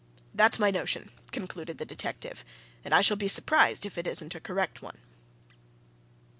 That's my notion," concluded the detective. "And I shall be surprised if it isn't a correct one!"